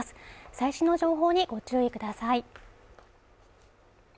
最新の情報にご注意ください。